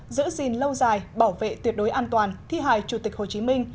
giữ gìn lâu dài bảo vệ tuyệt đối an toàn thi hài chủ tịch hồ chí minh